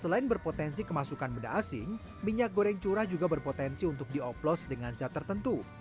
selain berpotensi kemasukan beda asing minyak goreng curah juga berpotensi untuk dioplos dengan zat tertentu